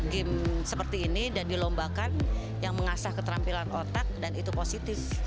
game seperti ini dan dilombakan yang mengasah keterampilan otak dan itu positif